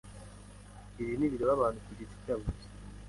Ibi ntibireba abantu ku giti cyabo gusa